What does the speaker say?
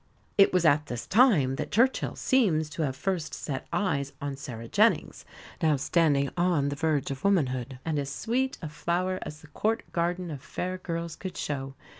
It was at this time that Churchill seems to have first set eyes on Sarah Jennings, now standing on the verge of womanhood, and as sweet a flower as the Court garden of fair girls could show.